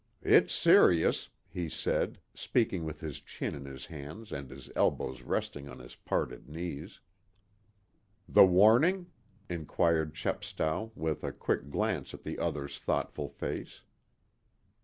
"It's serious," he said, speaking with his chin in his hands and his elbows resting on his parted knees. "The warning?" inquired Chepstow, with a quick glance at the other's thoughtful face.